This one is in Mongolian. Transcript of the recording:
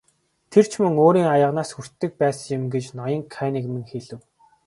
Тэр ч мөн өөрийн аяганаас хүртдэг байсан юм гэж ноён Каннингем хэлэв.